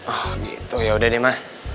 oh gitu yaudah deh mah